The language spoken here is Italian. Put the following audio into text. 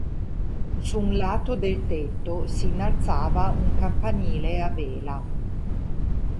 Su un lato del tetto si innalzava un campanile a vela.